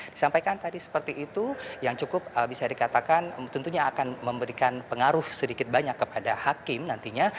disampaikan tadi seperti itu yang cukup bisa dikatakan tentunya akan memberikan pengaruh sedikit banyak kepada hakim nantinya